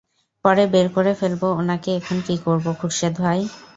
পরে বের করে ফেলবো উনাকে এখন কী করবো, খুরশেদ ভাই?